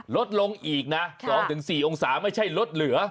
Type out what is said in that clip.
ลดลงอีกนะ๒๔องศาไม่ใช่ลดเหลือ